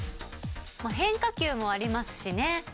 変化球もありますしね。